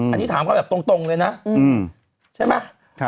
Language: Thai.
อันนี้ถามเขาแบบตรงเลยนะใช่ไหม